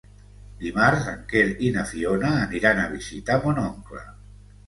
Dimarts en Quer i na Fiona aniran a visitar mon oncle.